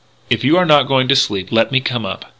"If you are not going to sleep, let me come up."